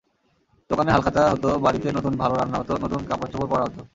দোকানে হালখাতা হতো, বাড়িতে নতুন ভালো রান্না হতো, নতুন কাপড়-চোপড় পরা হতো।